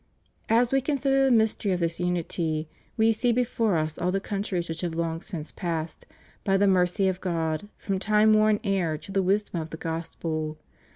As We consider the mystery of this imity We see before 306 THE REUNION OF CHRISTENDOM. Us all the countries which have long since passed, by the mercy of God, from timeworn error to the wisdom of the Gospel.